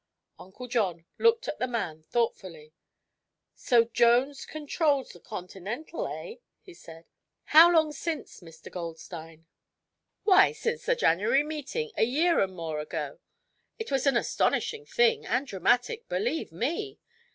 Uncle John looked at the man thoughtfully. "So Jones controls the Continental, eh?" he said. "How long since, Mr. Goldstein?" "Why, since the January meeting, a year and more ago. It was an astonishing thing, and dramatic believe me!